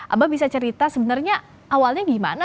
abah bisa cerita sebenarnya awalnya gimana